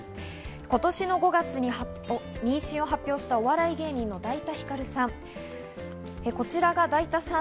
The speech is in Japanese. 今年の５月に妊娠を発表した、お笑い芸人のだいたひかるさん。